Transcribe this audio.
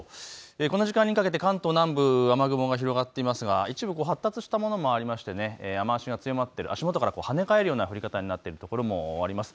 この時間にかけて関東南部、雨雲が広がっていますが一部発達したものもありまして雨足が強まっている、足元から跳ね返るような降り方になっている所もあります。